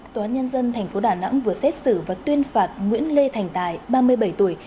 tòa nhân dân tp đà nẵng vừa xét xử và tuyên phạt nguyễn lê thành tài ba mươi bảy tuổi